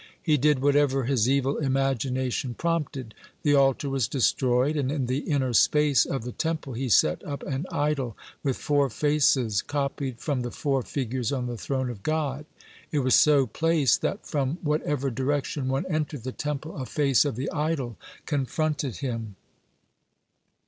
He did whatever his evil imagination prompted. The altar was destroyed, and in the inner space of the Temple he set up an idol (96) with four faces, copied from the four figures on the throne of God. It was so placed that from whatever direction one entered the Temple, a face of the idol confronted him.